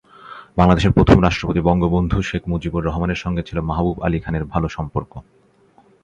বাংলাদেশের প্রথম রাষ্ট্রপতি বঙ্গবন্ধু শেখ মুজিবুর রহমানের সঙ্গে ছিল মাহবুব আলী খানের ভালো সম্পর্ক।